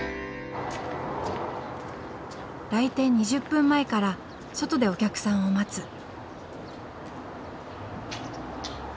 来店２０分前から外でお客さんを待つ。